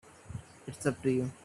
It's up to you.